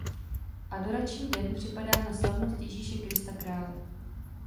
Adorační den připadá na Slavnost Ježíše Krista Krále.